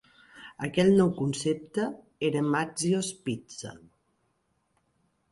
Aquell nou concepte era Mazzio's Pizza.